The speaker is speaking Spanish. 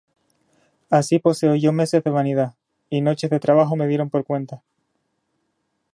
Así poseo yo meses de vanidad, Y noches de trabajo me dieron por cuenta.